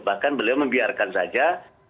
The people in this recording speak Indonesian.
bahkan beliau membiarkan saja